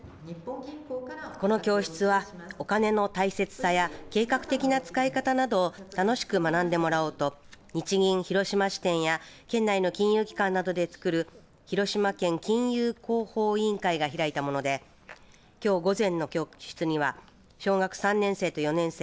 この教室はお金の大切さや計画的な使い方などを楽しく学んでもらおうと日銀広島支店や県内の金融機関などでつくる広島県金融広報委員会が開いたものできょう午前の教室には小学３年生と４年生